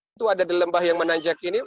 itu ada di lembah yang menanjak ini